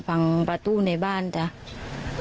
ความปลอดภัยของนายอภิรักษ์และครอบครัวด้วยซ้ำ